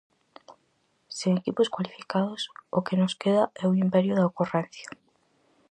Sen equipos cualificados, o que nos queda é o imperio da ocorrencia.